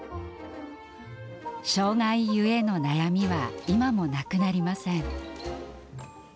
障害故の悩みは今もなくなりません。